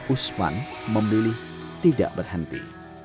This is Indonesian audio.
usman memilih tidak berhenti